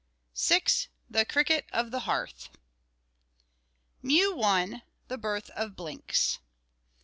6. THE CRICKET OF THE HEARTH. MEW I. _The Birth of Blinks.